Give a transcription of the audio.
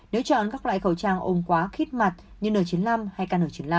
nếu chọn các loại khẩu trang ồm quá khít mặt như n chín mươi năm hay n chín mươi năm